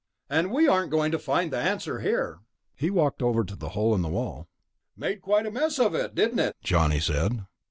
And we aren't going to find the answer here." He walked over to the hole in the wall. "Made quite a mess of it, didn't it?" Johnny said.